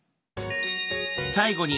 最後に